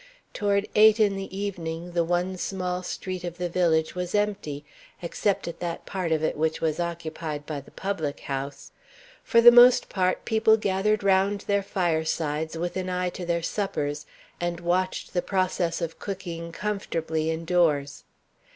Toward eight in the evening the one small street of the village was empty, except at that part of it which was occupied by the public house. For the most part, people gathered round their firesides, with an eye to their suppers, and watched the process of cooking comfortably indoors.